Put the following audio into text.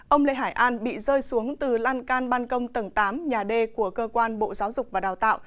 ông lê hải an bị rơi xuống từ lan can ban công tầng tám nhà d của cơ quan bộ giáo dục và đào tạo